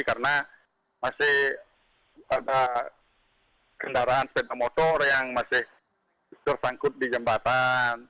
karena masih ada kendaraan sepeda motor yang masih tersangkut di jembatan